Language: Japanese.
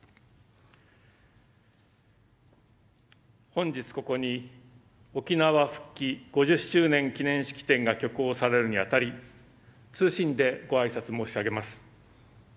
本日、ここに「沖縄復帰５０周年記念式典」が挙行されるにあたり謹んで御挨拶申し上げます。